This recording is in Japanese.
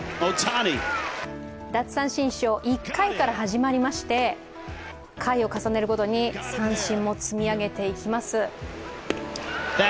奪三振ショーは１回から始まりまして回を重ねるごとに三振も積み上げていきます。